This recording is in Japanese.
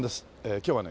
今日はね